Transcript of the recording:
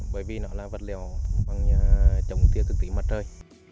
bởi vì nó là vật liệu bằng chống tiêu thực tí mặt trời